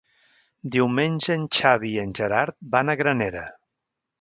Diumenge en Xavi i en Gerard van a Granera.